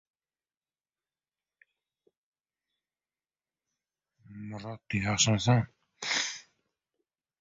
O‘zi panjaraga suyanib, somsa yedi.